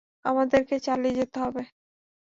আমাদেরকে চালিয়ে যেতে হবে!